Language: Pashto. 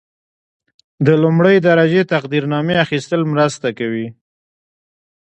د لومړۍ درجې تقدیرنامې اخیستل مرسته کوي.